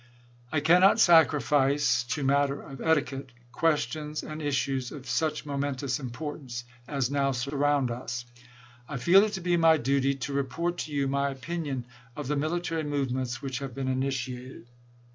I cannot sacrifice, to matter of etiquette, questions and issues of such momentous importance as now surround us. I feel it to be my duty to report to you my opinion of the mili tary movements which have been initiated.